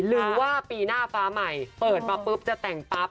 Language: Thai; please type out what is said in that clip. หรือว่าปีหน้าฟ้าใหม่เปิดมาปุ๊บจะแต่งปั๊บ